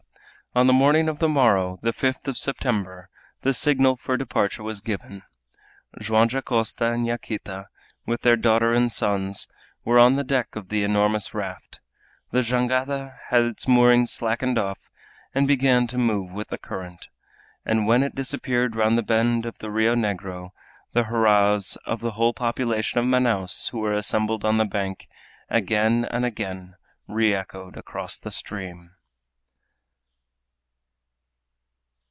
On the morning of the morrow, the fifth of September, the signal for departure was given. Joam Dacosta and Yaquita, with their daughter and sons, were on the deck of the enormous raft. The jangada had its moorings slackened off and began to move with the current, and when it disappeared round the bend of the Rio Negro, the hurrahs of the whole population of Manaos, who were assembled on the bank, again and again re echoed across the stream.